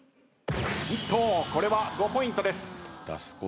これは５ポイントです。